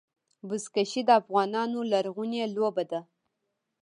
بزکشي د افغانانو لرغونې لوبه ده.